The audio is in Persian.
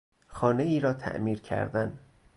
خانهای را تعمیر کردن